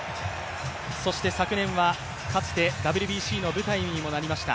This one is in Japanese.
そして昨年はかつてＷＢＣの舞台にもなりました